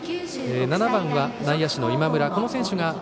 ７番は内野手の今村。